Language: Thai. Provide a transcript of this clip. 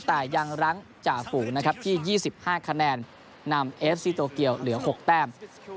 แต่ยังรั้งจ่าฝูงนะครับที่๒๕คะแนนนำเอฟซีโตเกียวเหลือ๖แต้ม